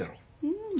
うん。